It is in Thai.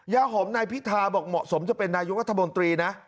ยาหอมนายพิธาบอกเหมาะสมจะเป็นนายกรัฐมนตรีนะ